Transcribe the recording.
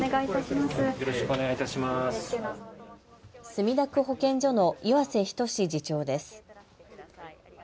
墨田区保健所の岩瀬均次長です。